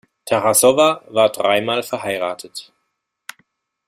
Tarassowa war dreimal verheiratet.